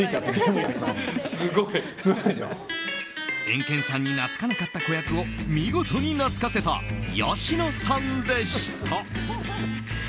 エンケンさんになつかなかった子役を見事になつかせた吉野さんでした。